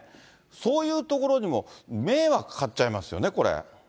そういうところにも迷惑かかっちゃいますよね、これ。